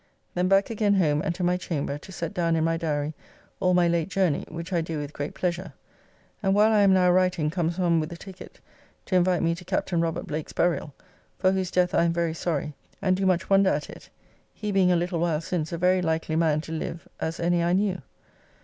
Then back again home and to my chamber, to set down in my diary all my late journey, which I do with great pleasure; and while I am now writing comes one with a tickett to invite me to Captain Robert Blake's buriall, for whose death I am very sorry, and do much wonder at it, he being a little while since a very likely man to live as any I knew.